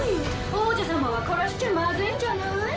王女様は殺しちゃまずいんじゃない？